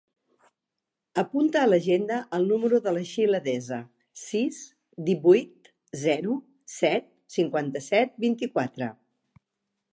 Apunta a l'agenda el número de la Sheila Deza: sis, divuit, zero, set, cinquanta-set, vint-i-quatre.